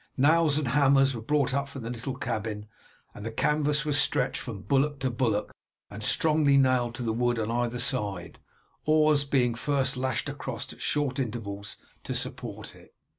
Nails and hammers were brought up from the little cabin, and the canvas was stretched from bulwark to bulwark and strongly nailed to the wood on either side, oars being first lashed across at short intervals to support it.